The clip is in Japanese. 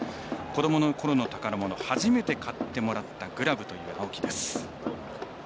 子どもの頃の宝物初めて買ってもらったグラブという青木です。